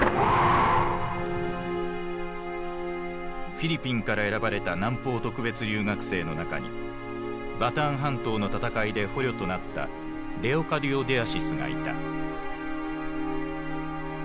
フィリピンから選ばれた南方特別留学生の中にバターン半島の戦いで捕虜となったレオカディオ・デアシスがいた。